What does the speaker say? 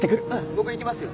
僕行きますよ。